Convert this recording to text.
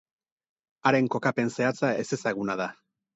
Haren kokapen zehatza ezezaguna da.